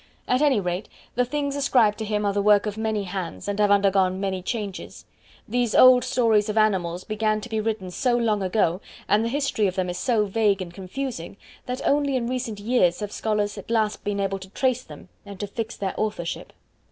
At any rate, the things ascribed to him are the work of many hands, and have undergone many changes. These old stories of animals began to be written so long ago, and the history of them is so vague and confusing, that only in recent years have scholars at last been able to trace them, and to fix their authorship.